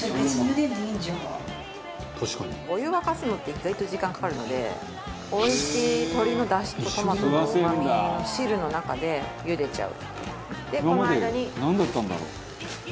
お湯沸かすのって意外と時間かかるのでおいしい鶏のだしとトマトのうまみを汁の中でゆでちゃう。